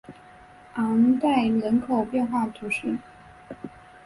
昂代人口变化图示